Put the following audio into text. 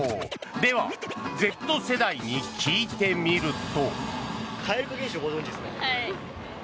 では、Ｚ世代に聞いてみると。